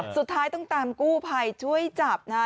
สุดท้ายต้องตามกู้ภัยช่วยจับนะฮะ